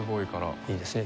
いいですね。